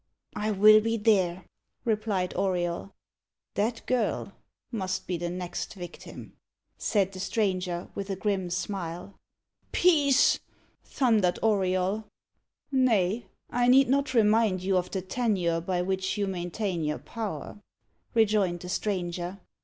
"I will be there," replied Auriol. "That girl must be the next victim," said the stranger, with a grim smile. "Peace!" thundered Auriol. "Nay, I need not remind you of the tenure by which you maintain your power," rejoined the stranger.